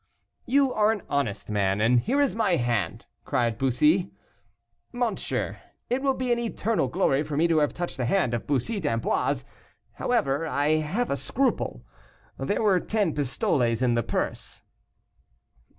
"You are an honest man, and here is my hand," cried Bussy. "Monsieur, it will be an eternal glory for me to have touched the hand of Bussy d'Amboise. However, I have a scruple. There were ten pistoles in the purse."